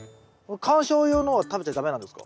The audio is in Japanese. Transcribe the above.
観賞用のは食べちゃ駄目なんですか？